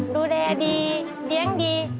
ดูแลดีเลี้ยงดี